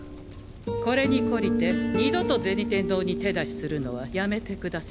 これに懲りて二度と銭天堂に手出しするのはやめてくださんせ。